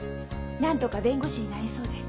なんとか弁護士になれそうです。